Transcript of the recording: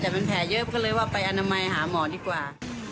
แต่มันแผลเยอะก็เลยว่าไปอนามัยหาหมอดีกว่า